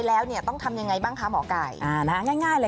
เรื่องของโชคลาบนะคะ